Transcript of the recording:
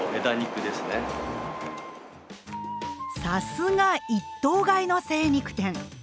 さすが一頭買いの精肉店！